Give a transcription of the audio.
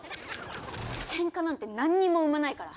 ケンカなんて何にも生まないから。